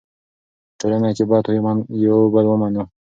په ټولنه کې باید یو بل ومنو.